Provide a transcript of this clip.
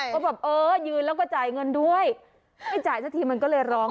ก็แบบเออยืนแล้วก็จ่ายเงินด้วยไม่จ่ายสักทีมันก็เลยร้อง